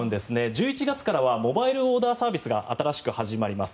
１１月からはモバイルオーダーサービスが新しく始まります。